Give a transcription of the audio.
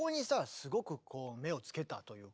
すごくこう目を付けたというか。